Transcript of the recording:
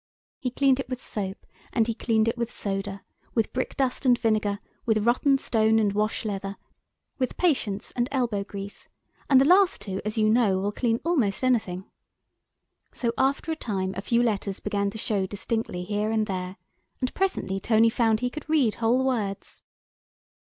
He cleaned it with soap, and he cleaned it with soda, with brickdust and vinegar, with rotten stone and washleather, with patience and elbow grease, and the last two, as you know, will clean almost anything. So after a time a few letters began to show distinctly here and there, and presently Tony found he could read whole words.